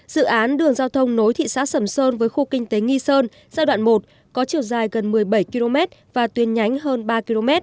dự án đường giao thông nối thị xã sầm sơn với khu kinh tế nghi sơn giai đoạn một có chiều dài gần một mươi bảy km và tuyên nhánh hơn ba km